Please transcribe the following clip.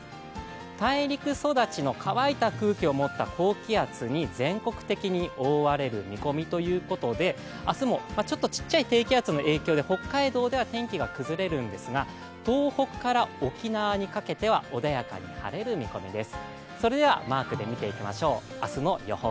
大陸育ちの乾いた空気を持った高気圧に全国的に覆われる見込みだということで、明日も、ちょっとちっちゃい低気圧の影響で北海道では天気は崩れるんですが、東北から沖縄にかけては穏やかに晴れる見込みです。